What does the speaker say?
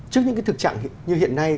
trước những cái thực trạng như hiện nay